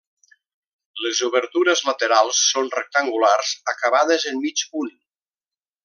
Les obertures laterals són rectangulars acabades en mig punt.